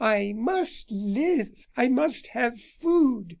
I must live I must have food.